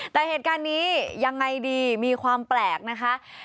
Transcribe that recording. แต่เหตุการณ์นี้ยังไงดีมีความแปลกนะคะ